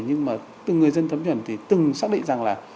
nhưng mà từ người dân thấm nhuận thì từng xác định rằng là